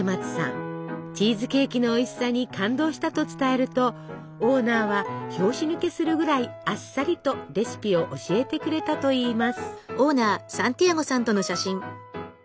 チーズケーキのおいしさに感動したと伝えるとオーナーは拍子抜けするぐらいあっさりとレシピを教えてくれたといいます。